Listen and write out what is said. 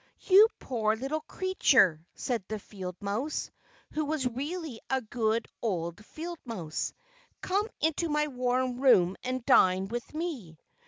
"You poor little creature," said the field mouse, who was really a good old field mouse, "come into my warm room and dine with me."